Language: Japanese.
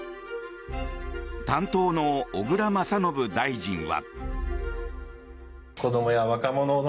担当の小倉將信大臣は。